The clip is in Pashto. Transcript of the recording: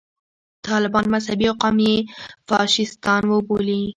طالبان مذهبي او قومي فاشیستان وبولي.